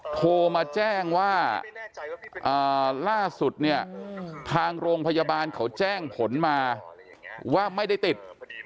โทรมาแจ้งว่าล่าสุดเนี่ยทางโรงพยาบาลเขาแจ้งผลมาว่าไม่ได้ติด